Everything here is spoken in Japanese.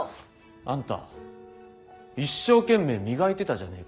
あんた一生懸命磨いてたじゃねえか。